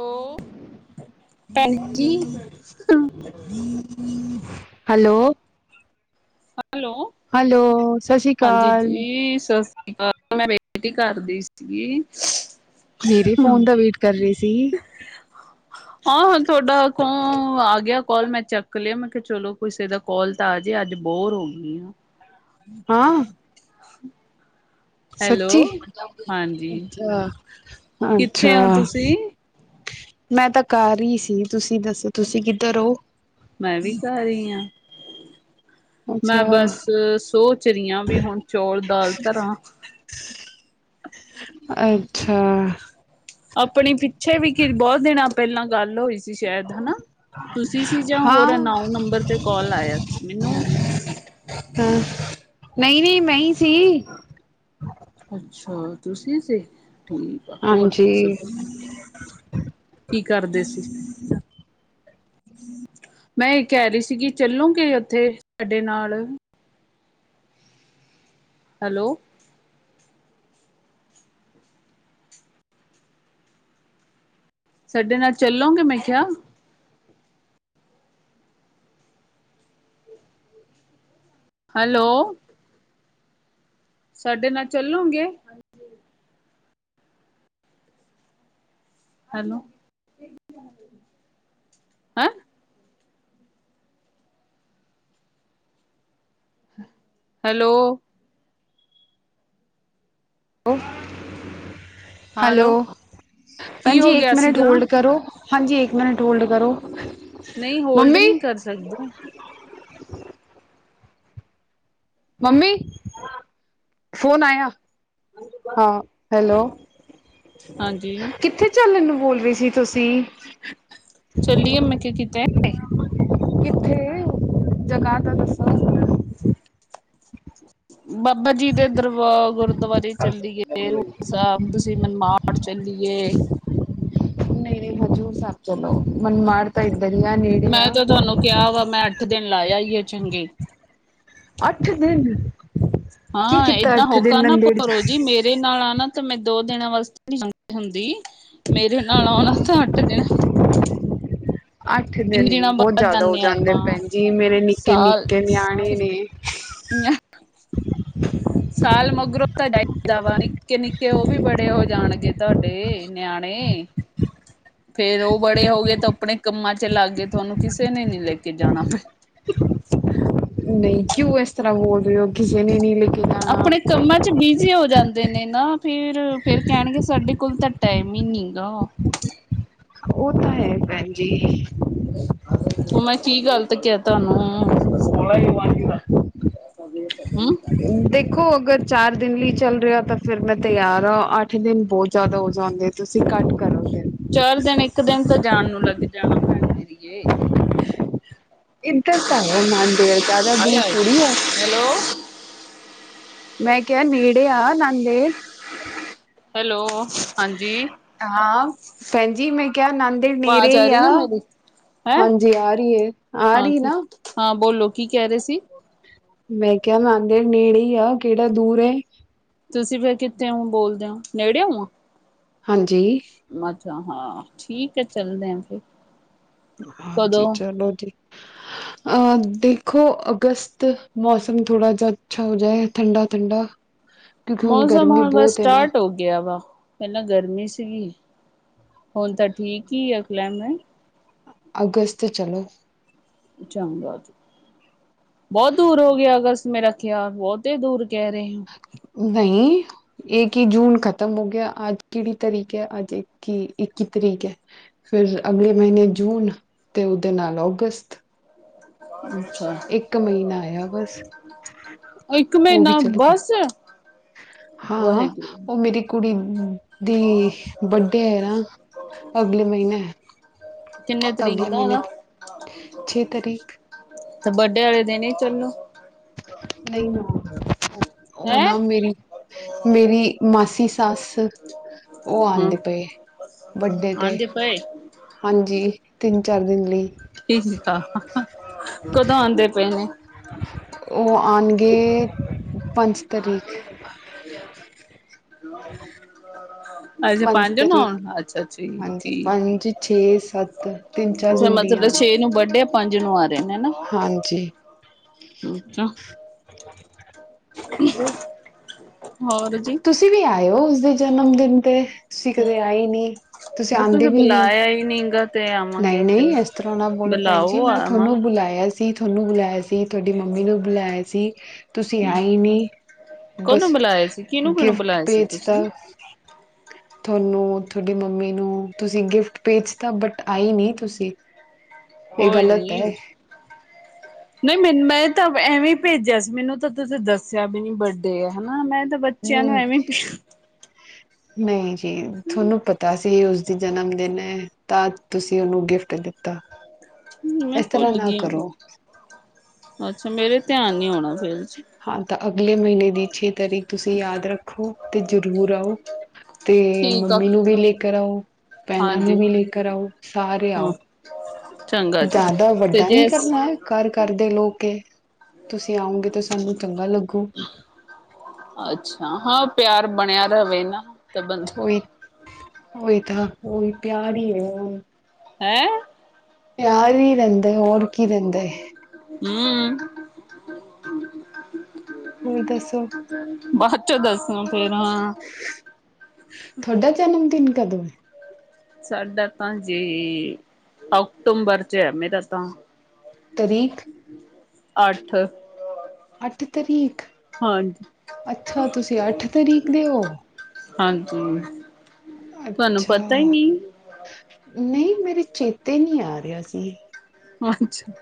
ਉਹ ਭੈਣਜੀ ਹਾਂ ਹੈਲੋ, ਹੈਲੋ ਹੈਲੋ। ਸਤਿ ਸ਼੍ਰੀ ਹਾਂਜੀ ਅਕਾਲ ਜੀ, ਸਸਰੀਕਾਲ ਮੈਂ ਵੇਟ ਈ ਕਰਦੀ ਸੀ। ਮੇਰੇ ਫ਼ੋਨ ਦਾ ਵੇਟ ਕਰ ਰੇ ਸੀਂ? ਆਂ ਹਾਂ ਤੁਹਾਡਾ ਫੋਨ ਆ ਗਿਆ, ਕੋਲ ਮੈਂ ਚੈੱਕ ਲਿਆ ਮੈਂ ਕਿਹਾ ਚਲੋ ਕਿਸੇ ਦਾ ਕੋਲ ਤਾਂ ਆ ਜੇ ਅੱਜ ਬੋਰ ਹੋ ਗਈ ਹਾਂ। ਹੈਲੋ ਸੱਚੀਂ, ਹਾਂਜੀ ਅੱਛਾ-ਅੱਛਾ। ਕਿੱਥੇ ਹੋ ਤੁਸੀਂ ਮੈਂ ਤਾਂ ਘਰ ਹੀ ਸੀ, ਤੁਸੀਂ ਦੱਸੋ ਤੁਸੀਂ ਕਿੱਧਰ ਹੋ? ਮੈਂ ਵੀ ਘਰ ਈ ਆ। ਮੈਂ ਅੱਛਾ, ਬਸ, ਸੋਚ ਰਹੀ ਹਾਂ ਵੀ, ਹੁਣ ਚੌਲ- ਦਾਲ ਧਰਾਂ। ਅੱਛਾ ਆਪਣੀ ਪਿੱਛੇ ਵੀ ਕੀ ਬਹੁਤ ਦਿਨਾਂ ਪਹਿਲਾਂ ਗੱਲ ਹੋਈ ਸੀ। ਤੁਸੀ ਸ਼ਾਇਦ ਹਨਾ, ਤੁਸੀਂ ਸੀ ਜਾਂ ਹਾਂ ਹੋਰ ਅਨਾਓਨ ਨੰਬਰ ਤੇ ਕਾਲ ਆਇਆ ਸੀ ਮੈਨੂੰ। ਹਾਂ, ਨਹੀਂ -ਨਹੀਂ ਮੈਂ ਈ ਸੀ। ਅੱਛਾ, ਤੁਸੀਂ ਸੀ ਠੀਕ ਆਂ ਹੋਰ? ਹਾਂਜੀ ਕੀ ਕਰਦੇ ਸੀ? ਮੈਂ ਇਹ ਕਹਿ ਰਹੀ ਸੀਗੀ ਚੱਲੋਂਗੇ ਉੱਥੇ ਸਾਡੇ ਨਾਲ। ਹੈਲੋ ਸਾਡੇ ਨਾਲ ਚੱਲੋਂਗੇ ਮੈਂ ਕਿਆ। ਹੈਲੋ। ਸਾਡੇ ਨਾਲ ਚੱਲੂਗੇ। ਹੈਲੋ ਹੈਂ ਹੈਲੋ। ਹੈਲੋ ਕੀ ਭੈਨ ਹੋ ਜੀ ਇੱਕ ਗਿਆ ਮਿਨਟ ਸੀਗਾ ਹੋਲਡ ਕਰੋ ਹਾਂਜੀ ਇੱਕ ਮਿਨਟ ਹੋਲਡ ਕਰੋ ਨਹੀਂ ਹੋਲਡ ਮੰਮੀ, ਨਹੀਂ ਕਰ ਸਕਦੇ। ਮੰਮੀ। ਫੋਨ ਆਇਆ ਹਾਂ ਹੈਲੋ। ਹਾਂਜੀ ਕਿੱਥੇ ਚੱਲਨ ਨੂੰ ਬੋਲ ਰਹੀ ਸੀ ਤੁਸੀਂ। ਚੱਲੀਏ ਮੈਂ ਕਿਆ ਕਿਤੇ ਕਿੱਥੇ ਜਗ੍ਹਾ ਤਾਂ ਦੱਸ ਇਸ। ਬਾਬਾ ਜੀ ਦੇ ਦਰਬਾ ਗੁਰਦੁਆਰੇ ਚਲਿਏ ਹਜੂਰ ਸਾਹਿਬ ਤੁਸੀਂ ਮਨਮਾਰ ਪੜ ਚਲੀਏ। ਨਹੀ ਨਹੀ ਹਜ਼ੂਰ ਸਾਹਿਬ ਚਲੋ ਮਨਮਾੜ ਤਾਂ ਦਰੀਆ ਨੇੜੇ ਆ। ਇੱਕ ਦਿਨ ਲਾ ਆਈਏ ਚੰਗੇ। ਅੱਠ ਦਿਨ। ਕੀ ਹਾਂ ਕੀਤਾ ਏਦਾ ਅੱਠ ਹੋਕਾ ਦਿਨ ਨਾ ਨੰਦੇੜ ਜਾ ਭਰੋ ਜੀ ਮੇ ਮੇਰੇ ਨਾਲ ਆਨਾ ਤੇ ਮੈਂ ਦੋ ਦਿਨਾਂ ਵਾਸਤੇ ਨਈ ਹੁੰਦੀ ਮੇਰੇ ਨਾਲ ਆਉਣਾ ਤਾਂ ਅੱਠ ਦਿਨ। ਅੱਠ ਤਿੰਨ ਦਿਨ ਦਿਨਾਂ ਬੋਤ ਬਾਅਦ ਜ਼ਿਆਦਾ ਹੋ ਹਾਂ ਜਾਂਦੇ ਨ ਆਪਾਂ ਭੈਨ ਜੀ ਮੇਰੇ ਨਿੱਕੇ ਨਿੱਕੇ ਨਿਆਣੇ ਨੇ। ਅ। [unintelligible] ਸਾਲ ਮਗਰੋਂ ਤਾਂ ਜਾਈ ਦਾ ਵਾ ਨਿੱਕੇ-ਨਿੱਕੇ ਉਹ ਵੀ ਬੜੇ ਹੋ ਜਾਣਗੇ ਤੁਹਾਡੇ ਨਿਆਣੇ। ਹਮ। [unintelligible] ਫੇਰ ਉਹ ਬੜੇ ਹੋ ਗਏ ਤਾਂ ਅਪਣੇ ਕੰਮਾਂ ਚ ਲਗੇ ਤੁਹਾਨੂੰ ਕਿਸੇ ਨੇ ਨੀ ਲੈ ਕੇ ਜਾਣਾ। ਨਹੀਂ ਕਿਉਂ ਇਸ ਤਰ੍ਹਾਂ ਬੋਲ ਰਹੇ ਹੋ ਕਿਸ ਨੇ ਨੀ ਲੇਕੇ ਜਾਨਾ ਅਪਣੇ ਕੰਮਾਂ ਚ ਬਿਜੀ ਹੋ ਜਾਂਦੇ ਨੇ ਨਾ ਫਿਰ ਫੇਰ ਕਹਿਣਗੇ ਸਾਡੇ ਕੋਲ ਤਾਂ। ਟਾਈਮ ਈ ਨੀ ਗਾ। ਉਹ ਤਾਂ ਹੈ ਭੈਨ ਜੀ। ਉਹ ਮੈਂ ਕੀ ਗੱਲਤ ਕਿਹਾ ਤਹਾਨੂੰ ਹਮ ਦੇਖੋ ਅਗਰ। ਚਾਰ ਦਿਨ ਲਈ ਚੱਲ ਰਿਹਾ ਤਾਂ ਫੇਰ ਮੈਂ ਤਿਆਰ ਆ ਅੱਠ ਦਿਨ ਬੋਤ ਜ਼ਿਆਦਾ ਹੋ ਜਾਂਦੇ ਤੁਸੀਂ ਘੱਟ ਕਰ। ਚਾਰ ਦਿਨ ਇੱਕ ਦਿਨ ਤਾਂ ਜਾਨ ਨੂੰ ਲੱਗ ਜਾਣਾ ਭੈਣ ਮੇਰੀਏ। ਇੱਧਰ ਤਾਂ ਹੈ ਨਾਂਦੇੜ ਜ਼ਿਆਦਾ ਹਾਏ ਦੂਰ ਹਾਏ ਥੋੜੀ ਆ। ਹੈਲੋ ਮੈਂ ਕਿਹਾ ਨੇੜੇ ਆ ਨਾਂਦੇੜ। ਹੈਲੋ। ਹਾਂਜੀ ਹਾਂ ਭੈਣ ਜੀ ਮੈਂ ਕਿਹਾ ਨਾਂਦੇੜ ਨੇਰੇ ਆਵਾਜ਼ ਹੀ ਆ। ਰਹੀ ਹੈ ਮੇਰੀ ਹੈਂ ਹਾਂਜੀ ਆ ਰਹੀ ਹੈ, ਆ ਹਾਂ ਰਹੀ ਕੀ ਨਾ। ਹਾਂ ਬੋਲੋ ਕੀ ਕਹਿ ਰਹੇ ਸੀ ਮੈਂ ਕਿਹਾ ਨੰਦੇੜ ਨੇੜੇ ਹੀ ਆ, ਕਿਹੜਾ ਦੂਰ ਏ। ਤੁਸੀਂ ਫੇਰ ਕਿੱਥੇ ਹੋ ਬੋਲਦੇ ਹੋ, ਨੇੜੇ ਹੋ? ਹਾਂਜੀ। ਮੱਛਾ ਹਾਂ, ਠੀਕ ਹੈ ਚੱਲਦੇ ਹਾਂ ਫੇਰ। ਹਾਂਜੀ ਚਲੋ ਜੀ। ਅ ਦੇਖੋ ਅਗਸਤ ਮੌਸਮ ਥੋੜਾ ਜਿ ਅੱਛਾ ਹੋ ਜਾਏ, ਠੰਡਾ- ਠੰਡਾ। [inaudible] ਮੌਸਮ ਗਰਮੀ ਹੁਣ ਬਸ ਬਹੁਤ ਹੈ ਨਾ ਸਟਾਰਟ ਹੋ ਗਿਆ। ਗਿਆ ਵਾ ਪਹਿਲਾਂ ਗਰਮੀ ਸੀਗੀ, ਹੁਣ ਤਾਂ ਠੀਕ ਹੀ ਆ ਕਲਾਈਮੇਟ। ਅਗਸਤ ਚਲੋ। ਉੱਚਾਗਾਤ। ਬਹੁਤ ਦੂਰ ਹੋ ਗਿਆ ਅਗਰ, ਮੈਂਰੇ ਖਿਆਲ ਬਹੁਤ ਹੀ ਦੂਰ ਕਹਿ ਰਹੇ ਹੋ। ਨਹੀਂ। ਏ ਕੀ ਜੂਨ ਖਤਮ ਹੋ ਗਿਆ। ਅੱਜ ਕਿਹੜੀ ਤਾਰੀਕ ਹੈ, ਅੱਜ ਇੱਕ ਹੀ ਇੱਕੀ ਤਰੀਕ ਹੈ। ਫੇਰ ਅਗਲੇ ਮਹੀਨੇ ਜੂਨ ਅਤੇ ਉਹਦੇ ਨਾਲ ਔਗਸਤ। ਅੱਛਾ ਇੱਕ ਮਹੀਨਾ ਆਇਆ ਬਸ। ਇੱਕ ਉਹ ਵੀ ਮਹੀਨਾ ਚਲੇ ਜਾ ਬਸ ਹਾਂ ਵਾਹਿਗੁਰੂ। ਉਹ ਮੇਰੀ ਕੁੜੀ, ਹੂੰ। ਅਗਲੇ ਮਹੀਨੇ [unintelligible] ਕਿੰਨੇ ਤਾਂ ਤਰੀਕ ਅਗਲੇ ਦਾ ਮਹੀਨੇ ਉਹਦਾ ਦੀ ਛੇ ਤਾਰੀਖ। ਤੇ ਬਰਡੇ ਵਾਲੇ ਦਿਨ ਹੀ ਚਲੋ, ਨਹੀਂ ਨਾ ਉਹ ਹੈਂ। ਨਾ ਮੇਰੀ ਮੇਰੀ ਮਾਸੀ ਸੱਸ, ਉਹ ਹੂੰ ਆਉਂਦੇ ਪਏ, ਵੱਡੇ ਤੇ ਆਂਦੇ ਪਏ ਹਾਂਜੀ। ਤਿੰਨ, ਚਾਰ ਦਿਨ ਲਈ। ਠੀਕ ਆ ਕਦੋਂ ਆਉਂਦੇ ਪਏ ਨੇ? ਉਹ ਆਉਣਗੇ ਪੰਜ ਤਰੀਕ। ਅੱਛਾ ਪੰਜ ਨਾ ਔਨ ਅੱਛਾ। ਠੀਕ ਹਾਂਜੀ ਪੰਜ, ਛੇ, ਸੱਤ। ਤਿੰਨ ਚਾਰ ਅੱਛਾ ਦਿਨ ਲਈ ਮਤਲਬ ਆਉਣ ਛੇ ਨੂੰ ਬਰਡੇ ਆ, ਪੰਜ ਨੂੰ ਆ ਰਹੇ ਨੇ, ਹਨਾ। ਹਾਂਜੀ। ਹੋਰ? ਹੋਰ ਜੀ? ਤੁਸੀਂ ਵੀ ਆਏ ਹੋ ਉਸਦੇ ਜਨਮ ਦਿਨ ਤੇ, ਤੁਸੀਂ ਕਦੇ ਆਈ ਨਹੀਂ। ਤੁਸੀਂ ਆਉਂਦੇ ਵੀ ਨਹੀਂ। ਬੁਲਾਇਆ ਹੀ ਨੀ ਗਾ ਤੇ ਨਹੀਂ- ਆਵਾਂਗੇ ਫਿਰ ਨਹੀਂ ਇਸ ਤਰਾਂ ਨਾ ਬੋਲੋ, ਭੈਣ ਜੀ ਬੁਲਾਓ ਮੈਂ ਤੁਹਾਨੂੰ ਆਵਾਂਗੇ ਬੁਲਾਇਆ। ਸੀ, ਤੁਹਾਨੂੰ ਬੁਲਾਇਆ ਸੀ, ਤੁਹਾਡੀ ਮੰਮੀ ਨੂੰ ਬੁਲਾਇਆ ਸੀ। ਤੁਸੀਂ ਆਈ ਨਹੀਂ, ਕੋਨੂੰ ਬਸ ਬੁਲਾਇਆ ਸੀ ਕਿਹਨੂੰ ਕਿਹਨੂੰ ਗਿਫਟ ਬੁਲਾਇਆ ਸੀ ਤੁਸੀਂ ਭੇਜਦਾ। [inaudible] ਤੁਹਾਨੂੰ, ਤੁਹਾਡੀ ਮੰਮੀ ਨੂੰ, ਤੁਸੀਂ ਗਿਫਟ ਭੇਜਤਾ ਬਟ ਆਈ ਨਹੀਂ ਤੁਸੀਂ। [inaudible] ਕੋਈ ਗ਼ਲਤ ਹੈ ਨੀ। ਨਹੀਂ ਮੈਨੂੰ ਮੈਂ ਤਾਂ, ਐਵੇਂ ਭੇਜਿਆ ਸੀ। ਮੈਨੂੰ ਤਾਂ ਤੁਸੀਂ ਦੱਸਿਆ ਵੀ ਨ- ਤੇ ਹਨਾ, ਮੈਂ ਤਾਂ ਬੱਚਿਆਂ ਨੂੰ ਹਮ ਐਵੇਂ ਭੇ- ਨਹੀਂ ਜੀ, ਤੁਹਾਨੂੰ ਪਤਾ ਸੀ ਉਸ। ਜਨਮ ਦਿਨ ਹੈ, ਤਾਂ ਤੁਸੀਂ ਉਹਨੂੰ ਗਿਫਟ ਦਿੱਤਾ। ਮੈਂ ਇਸ ਤਰ੍ਹਾਂ ਭੁੱਲ ਨਾ ਗਈ। ਕਰੋ ਅੱਛਾ ਮੇਰੇ ਧਿਆਨ ਨੀ ਆਉਣਾ ਫੇਰ। ਹਾਂ ਤਾਂ ਅਗਲੇ ਮਹੀਨੇ ਦੀ ਛੇ ਤਾਰੀਕ, ਤੁਸੀਂ ਯਾਦ ਰੱਖੋ। ਤੇ ਜ਼ਰੂਰ ਆਓ। ਤੇ ਠੀਕ ਆ ਮੰਮੀ ਨੂੰ ਵੀ ਲੇ ਕਰ ਆਓ, ਭੈਣਾਂ ਨੂੰ ਹਾਂਜੀ ਵੀ ਲੇ ਕਰ ਆਓ, ਸਾਰੇ ਆਓ। ਹਾਂ ਚੰਗਾ ਜੀ ਦਾਦਾ ਤੇ ਵੱਡਾ ਨੀ ਜੇ ਕਰਨਾ ਐ। ਘਰ-ਘਰ ਦੇ ਲੋਕ ਏ, ਤੁਸੀਂ ਆਓਗੇ ਤਾਂ ਸਾਨੂੰ ਚੰਗਾ ਲੱਗੂ। ਅੱਛਾ, ਹਾਂ ਪਿਆਰ ਬਣਿਆ ਰਵੇ ਨਾ, ਤਾਂ ਬੰਦਾ ਉਹੀ-ਉਹੀ ਤਾਂ ਉਹੀ ਪਿਆਰ ਈ ਐ ਹੁਣ। ਹੈਂ। ਪਿਆਰ ਹੀ ਰਹਿੰਦਾ, ਹੋਰ ਕੀ ਰਹਿੰਦਾ। ਹੂੰ। ਹੋਰ ਦੱਸੋ ਬਾਦ ਚੋਂ ਦੱਸੂੰ ਫੇਰ ਹਾਂ। ਥੋਡਾ ਜਨਮ ਦਿਨ ਕਦੋਂ ਐਂ। ਸਾਡਾ ਤਾਂ ਜੀ, ਅਕਤੂੰਬਰ ਚ ਐ ਮੇਰਾ ਤਾਂ। ਤਰੀਕ ਅੱਠ ਅੱਠ ਤਰੀਕ, ਹਾਂਜੀ ਅੱਛਾ ਤੁਸੀ ਅੱਠ ਤਰੀਕ ਦੇ ਓ। ਹਾਂਜੀ, ਤੁਹਾਨੂੰ ਪਤਾ ਈ ਅੱਛਾ ਨੀ। ਨਹੀਂ, ਮੇਰੇ ਚੇਤੇ ਨੀ ਆ ਰਿਹਾ ਸੀ। ਅੱਛਾ,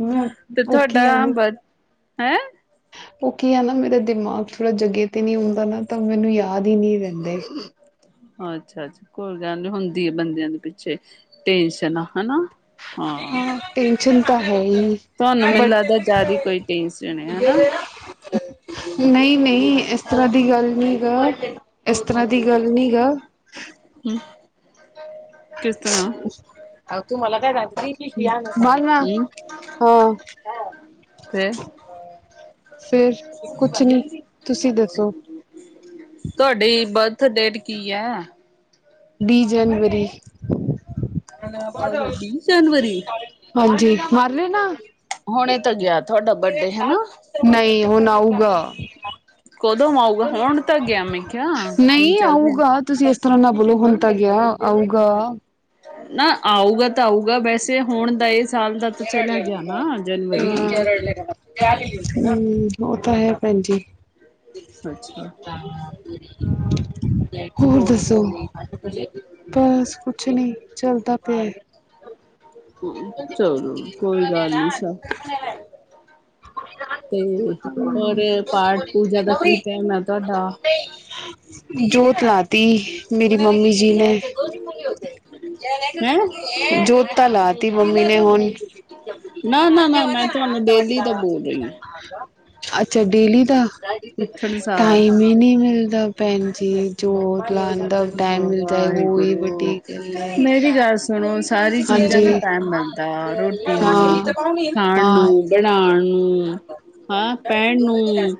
ਮੈਂ ਤੇ ਓਕੇ ਆ ਤੁਹਾਡਾ ਬਰ ਹੈਂ। ਉਹ ਕੀ ਐ ਨਾ ਮੇਰਾ ਦਿਮਾਗ ਥੋੜਾ ਜਗੇ ਤੇ ਨਹੀਂ ਹੁੰਦਾ ਨਾ, ਤਾਂ ਮੈਨੂੰ ਯਾਦ ਹੀ ਨਹੀਂ ਰਹਿੰਦੇ [unintelligible] ਅੱਛਾ-ਅੱਛਾ, ਕੋਈ ਗੱਲ ਨੀ ਹੁੰਦੀ ਐ ਬੰਦਿਆਂ ਦੇ ਪਿੱਛੇ ਟੈਨਸ਼ਨਾ, ਹਨਾ। ਹਾਂ ਹੂੰ, ਟੈਂਨਸ਼ਨ ਤਾਂ ਹੈ ਈ। ਤੁਹਾਨੂੰ ਮੈਨੂੰ ਲੱਗਦਾ ਜ਼ਿਆਦਾ ਕੋਈ ਟੇਨਸ਼ਨ ਆ ਹਨਾ। ਨਈ-ਨਈ, ਇਸ ਤਰ੍ਹਾਂ ਦੀ ਗੱਲ ਨੀ ਗਾ, ਇਸ ਤਰ੍ਹਾਂ ਦੀ ਗੱਲ ਨੀ ਗਾ। ਹੂੰ, ਕਿਸ ਤਰ੍ਹਾਂ [inaudible] ਕਿਸ ਲੀਆ ਨਾ, ਮਾਲਵ ਹਾਂ ਹਮ ਹੈਂ। ਫੇਰ ਫੇਰ ਕੁਛ ਨੀ, ਤੁਸੀਂ ਦੱਸੋ। ਤੁਹਾਡੀ ਬਰਥ ਡੇਟ ਕੀ ਐ? ਵੀਅ ਜਨਵਰੀ। ਔਰ ਵੀਹ ਜਨਵਰੀ [inaudible] ਹਾਂਜੀ, ਮਰ ਰੇ ਨਾ। ਹੁਣੇ ਤਾਂ ਗਿਆ ਥੁਆਡਾ ਬਰਡੇ, ਹਨਾ। ਨਈ ਹੁਣ ਆਊਗਾ। ਕੋਦੋਂ ਆਊ। ਨਈ ਚਾਰ ਦਿਨ ਆਊਗਾ, ਤੁਸੀਂ ਏਸ ਇਤਰਾਂ ਨਾ ਬੋਲੋ, ਹੁਣ ਤਾ ਗਿਆ ਆਊਗਾ। ਨਾ ਆਊਗਾ ਤਾਂ ਆਊਗਾ, ਵੈਸੇ ਹੁਣ ਦਾ ਇਹ ਸਾਲ ਦਾ ਤਾਂ ਚਲਾ ਗਿਆ ਨਾ ਜਨਵਰੀ। । [unintelligible] [inaudible] ਹੂੰ, ਉਹ ਤਾਂ ਹੈ ਭੈਣਜੀ। ਅੱਛਾ [inaudible] ਹੋਰ ਦੱਸੋ, ਬਸ ਕੁਛ ਨੀ, ਚੱਲਤਾ ਪਿਆ ਏ। ਚਲੋ ਕੋਈ ਗੱਲ ਨੀ, ਸਭ [unintelligible] ਕੁੜੀ ਤੇ ਤੋ ਹੋਰ ਪਾਠ ਪੂਜਾ ਦਾ ਕੀ ਮਾਰੀ ਟਾਈਮ ਹੈ ਹੂੰ ਤੁਹਾਡਾ [inaudible] ਜੋਤ ਲਾ ਤੀ, ਮੇਰੀ ਮੰਮੀ ਜੀ ਨੇ। ਹੈਂ ਜੋਤ ਤਾ ਲਾਤੀ ਮੰਮੀ ਨੇ ਹੁਣ। ਨਾ-ਨਾ-ਨਾ ਮੈਂ ਤੁਹਾਨੂੰ ਦੇ [inaudible] ਅੱਛਾ ਡੇਲੀ ਦਾ, ਉੱਠਣ ਸਾਰ ਟਾਈਮ ਹੀ ਨੀ ਮਿਲਦਾ। ਭੈਣ ਜੀ [unintelligible] ਤਾਂ ਟਾਈਮ ਵਾਹ ਮਿਲ ਜਾਏ ਉਹੀ ਵਾਹਿਗੁਰੂ ਵੱਡੀ ਗੱਲ ਹੈ ਮੇਰੀ ਗੱਲ ਸੁਣੋ ਸਾਰੀ ਚੀਜ਼ਾਂ ਹਾਂਜੀ। ਨੂੰ [unintelligible] ਟਾਈਮ ਮਿਲਦਾ ਰੋਟੀ ਹਾਂ ਹਾਂ ਖਣ ਨੂੰ ਹਾਂ ਪੈਣ ਨੂੰ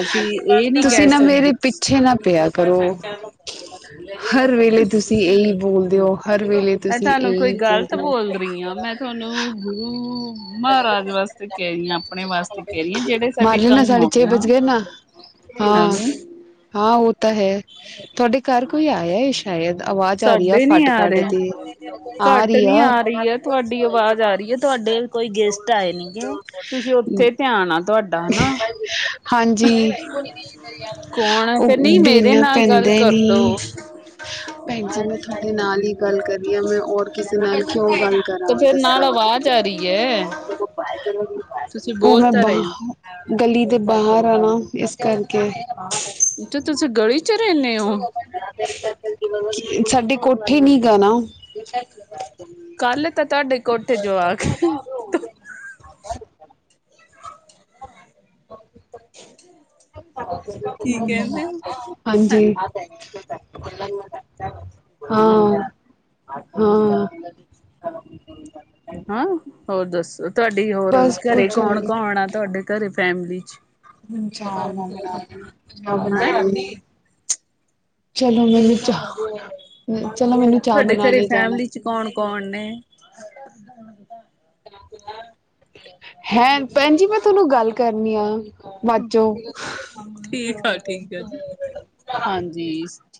ਅਸੀਂ ਇਹ ਨਹੀਂ ਤੁਸੀਂ ਕਹਿ ਨਾ ਮੇਰੇ ਸਕਦੇ ਪਿੱਛੇ ਨਾ ਪਿਆ ਕਰੋ ਹਰ ਵੇਲੇ ਤੁਸੀਂ ਇਹੀ ਬੋਲਦੇ ਓ ਹਰ ਵੇਲੇ ਮੈਂ ਤੁਸੀਂ ਤੁਹਾਨੂੰ ਇਹੀ ਕੋਈ ਗ਼ਲਤ ਬੋਲ [unintelligible] ਰਹੀ ਹਾਂ ਮੈਂ ਤੁਹਾਨੂੰ ਗੁਰੂ ਮਹਾਰਾਜ ਵਾਸਤੇ। ਕ ਰਹੀ ਹ ਆਪਣੇ ਵਾਸਤੇ ਕਹਿ ਰਹੀ ਆ ਜਿਹੜੇ ਮਾਰ ਸਾਡੇ ਲੈਣਾ ਕੰਮ ਸਾਢੇ ਆ ਛੇ ਬਜ ਗਏ ਨਾ ਹਾਂ ਹਾਂ ਉਹ ਤਾਂ ਹੈ ਤੁਹਾਡੀ। ਘਰ ਕੋਈ ਆਇਆ ਏ ਸ਼ਾਇਦ ਆਵਾਜ਼ ਆ ਰੀ ਐ, ਸਾਡੇ ਨੀ ਖਾਟ, ਆ ਖਾਟ ਰਹੇ ਦੀ। ਆ ਘੱਟ ਰਹੀ ਨੀ ਆ ਰਹੀ ਐ ਤੁਹਾਡੀ ਆਵਾਜ਼ ਆ ਰਹੀ। ਹੈ ਤੁਹਾਡੇ ਕੋਈ ਗੈਸਟ ਆਏ ਨੀ ਗੇ ਤੁਸੀਂ ਉੱਥੇ ਧਿਆਨ ਆ ਤੁਹਾਡਾ ਹਨਾ [unintelligible] ਹਾਂਜੀ ਕੌਣ ਹੈ ਉਹ ਫੇਰ ਨਹੀਂ ਮੇਰੇ ਦਿਨ ਨਾਲ ਗੱਲ ਪੈਂਦੇ ਕਰਲੋ ਨੀ ਭੈਣ ਜੀ ਮੈਂ ਤੁਹਾਡੇ ਨਾਲ ਈ ਗੱਲ ਕਰੀ ਹਾਂ ਮੈਂ ਹੋਰ ਕਿਸੇ ਨਾਲ ਕਿਉਂ ਗੱਲ ਕਰਾਂ ਤੇ ਫੇਰ ਦਸਾ ਨਾਲ ਆਵਾਜ਼ ਆ ਰਹੀ ਹੈ ਤੁਸੀਂ ਉਹ ਬੋਲ ਮੈਂ ਤਾਂ ਰਹੇ ਹੋ ਬਾਹ। ਗਲੀ ਦੇ ਬਾਹਰ ਆ ਨਾ, ਇਸ ਕਾਰਕੇ ਅਛ ਚ ਤੁਸੀਂ ਗਲੀ 'ਚ ਰਹਿੰਦੇ ਹੋ। ਸਾਡੀ ਕੋਠੀ ਨੀ ਗਾ ਣਾ ਕੱਲ ਤਾਂ ਤੁਹਾਡੇ ਕੋਠੇ ਜੋਆਕ ਸੀ ਕੀ ਕਹਿੰਦੇ ਹਾਂਜੀ ਹੈਂ ਹਾਂ। ਹਮ ਹਾਂ। ਹਾਂ ਹੋਰ ਦੱਸੋ ਤੁਹਾਡੀ ਹੋਰ ਬਸ ਘਰੇ ਕੁਛ ਕੌਣ ਹੋਰ ਕੌਣ ਆ ਤੁਹਾਡੇ ਘਰੇ ਫੈਮਿਲੀ ਚ। ਹੈਂ [unintelligible] ਚਲੋ ਮੈਨੂੰ ਚਾਹ ਚਲੋ ਮੈਨੂੰ ਚਾਹ ਬਣਾਣੇ ਜਾਣਾ ਵਿੱਚ ਕੌਣ ਕੌਣ ਨੇ ਹੈਂ ਭੈਣ ਜੀ ਮੈਂ ਤੁਹਾਨੂੰ ਗੱਲ ਕਰਨੀ ਆ [unintelligible] ਠੀਕ ਆ ਹ ਠੀਕ ਆ ਜੀ ਹਾਂਜੀ।